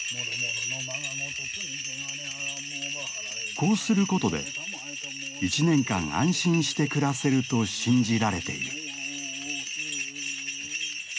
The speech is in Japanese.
こうすることで１年間安心して暮らせると信じられている。